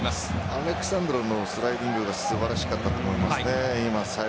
アレックス・サンドロのスライディング素晴らしかったと思いますね。